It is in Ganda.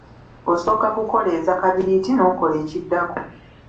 Osooka kukoleeza kabiriiti n'okola ekiddako.